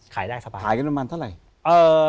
ขายได้สบายขายกันประมาณเท่าไหร่